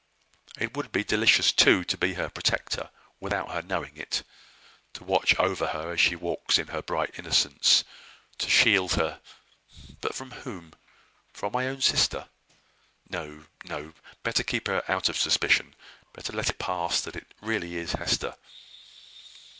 It would be delicious, too, to be her protector, without her knowing it, to watch over her as she walks in her bright innocence, to shield her but from whom? From my own sister? No! no! better keep her out of suspicion: better let it pass that it is really Hester.